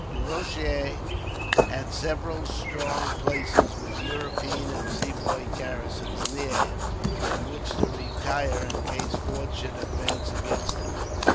Du Rocher had several strong places, with European and Sepoy garrisons, near him, in which to retire in case Forde should advance against him.